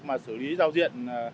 mà xử lý giao diện